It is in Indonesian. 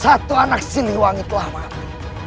satu anak siliwangi telah mati